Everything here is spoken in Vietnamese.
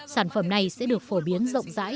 sản phẩm này sẽ được phổ biến rộng rãi